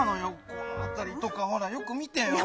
このあたりとかほらよく見てよ。